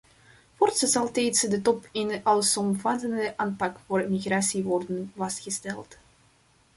Voorts zal tijdens de top een allesomvattende aanpak voor migratie worden vastgesteld.